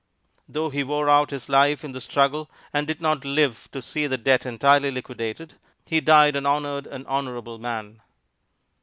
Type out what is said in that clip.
Though he wore out his life in the struggle and did not live to see the debt entirely liquidated, he died an honored and honorable man.